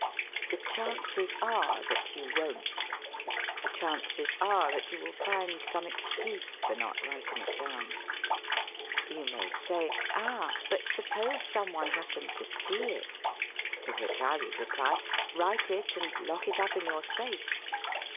The chances are that you won't; the chances are that you wiU find some excuse for not writing it down. You may say : "Ah ! But suppose some one happened to see it!" To which I would reply: "Write it and lock it up in your safe.'